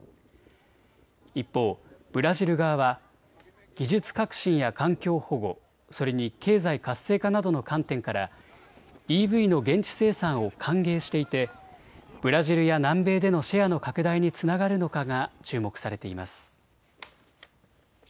一方、ブラジル側は技術革新や環境保護、それに経済活性化などの観点からＥＶの現地生産を歓迎していてブラジルや南米でのシェアの拡大につながるのかが注目されています。